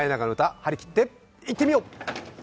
はりきっていってみよう！